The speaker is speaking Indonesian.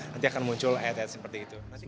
nanti akan muncul ayat ayat seperti itu